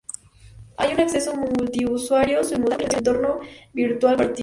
Hay un acceso multiusuario simultáneo y representación en el entorno virtual compartido.